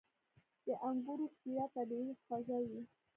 • د انګورو شیره طبیعي خوږه وي.